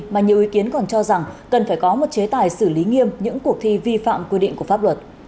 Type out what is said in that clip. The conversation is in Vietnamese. mà nhiều ý kiến còn cho rằng cần phải có một chế tài xử lý nghiêm những cuộc thi vi phạm quy định của pháp luật